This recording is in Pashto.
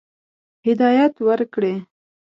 هدایت ورکړي.